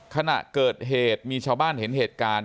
ขณะเกิดเหตุมีชาวบ้านเห็นเหตุการณ์